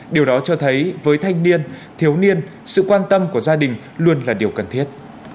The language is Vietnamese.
điều đó cho thấy với thanh niên thiếu niên sự quan tâm của gia đình luôn là điều cần thiết